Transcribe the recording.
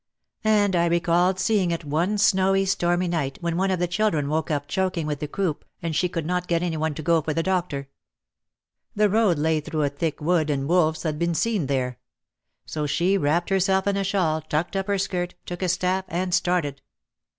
And I recalled seeing it one snowy, stormy night when one of the chil dren woke up choking with the croup and she could not get any one to go for the doctor. The road lay through a thick wood and wolves had been seen there. So she wrapped herself in a shawl, tucked up her skirt, took a staff and started.